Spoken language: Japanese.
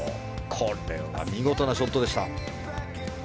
これは見事なショットでした。